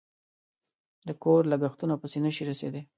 د کور لگښتونو پسې نشي رسېدلی